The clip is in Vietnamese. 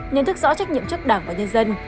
nhân thức rõ trách nhiệm chức đảng và nhân dân